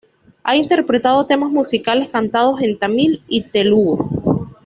Ha interpretado temas musicales cantados en tamil y telugu.